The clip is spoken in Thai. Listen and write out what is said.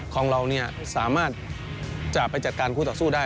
ของเราสามารถจะไปจัดการคู่ต่อสู้ได้